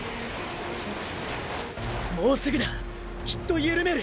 もうすぐだきっとゆるめる！！